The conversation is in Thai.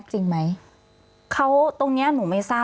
พี่เรื่องมันยังไงอะไรยังไง